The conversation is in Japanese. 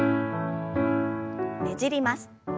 ねじります。